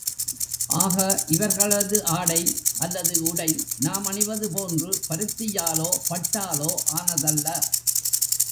ஆக, இவர்களது ஆடை அல்லது உடை நாம் அணிவது போன்று பருத்தியாலோ பட்டாலோ ஆனதல்ல.